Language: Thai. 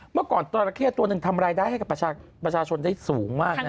เมื่อก่อนจราเข้ตัวหนึ่งทำรายได้ให้กับประชาชนได้สูงมากนะ